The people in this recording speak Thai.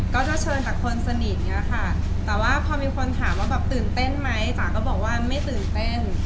เกาะก็เชิญจะคนสนิทนะคะแต่พอมีคนถามว่าตื่นเต้นมั้ยก็บอกว่าไม่ตื่นเต้น